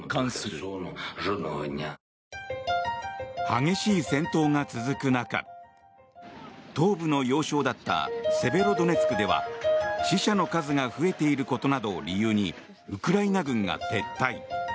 激しい戦闘が続く中東部の要衝だったセベロドネツクでは死者の数が増えていることなどを理由にウクライナ軍が撤退。